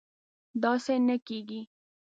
داسې نه کېږي